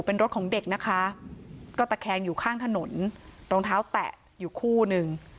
เป็นรถของเด็กนะคะก็ตะแคงอยู่ข้างถนนรองเท้าแตะอยู่คู่หนึ่ง